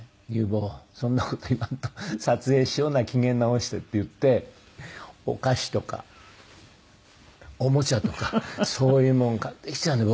「祐坊そんな事言わんと撮影しような機嫌直して」って言ってお菓子とかおもちゃとかそういうものを買ってきてはね